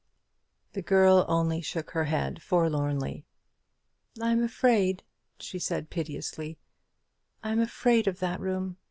The girl only shook her head forlornly. "I'm afraid," she said, piteously "I'm afraid of that room.